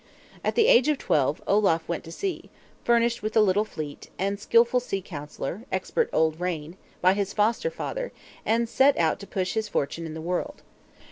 At the age of twelve Olaf went to sea; furnished with a little fleet, and skilful sea counsellor, expert old Rane, by his Foster father, and set out to push his fortune in the world.